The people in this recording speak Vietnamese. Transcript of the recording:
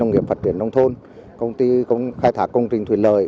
nông nghiệp phát triển nông thôn công ty khai thác công trình thuyền lợi